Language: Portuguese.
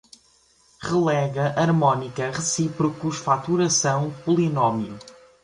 Relega, harmônica, recíprocos, fatoração, polinômio